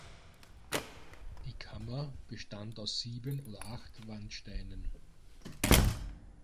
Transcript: Die Kammer bestand aus sieben oder acht Wandsteinen.